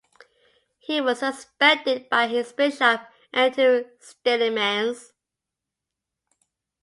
He was suspended by his bishop Antoon Stillemans.